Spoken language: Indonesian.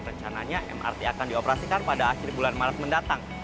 rencananya mrt akan dioperasikan pada akhir bulan maret mendatang